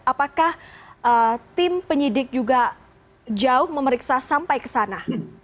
apakah tim penyidik juga jauh memeriksa sampai ke sana